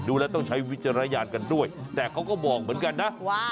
แล้วต้องใช้วิจารณญาณกันด้วยแต่เขาก็บอกเหมือนกันนะว่า